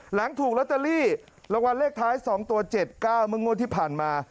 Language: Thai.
หลังถูกลอตเตอรี่รางวัลเลขท้าย๒ตัว๗๙เมื่องวดที่ผ่านมา